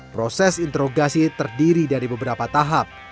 proses interogasi terdiri dari beberapa tahap